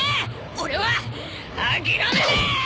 俺は諦めねえー！